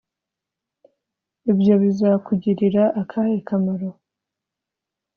Ibyo bizakugirira akahe kamaro